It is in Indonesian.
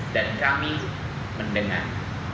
dan kami mendengar